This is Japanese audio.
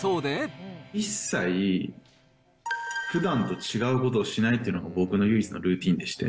一切、ふだんと違うことをしないというのが、僕の唯一のルーティンでして。